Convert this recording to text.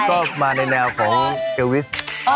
ก็มาในแนวของเกลวิส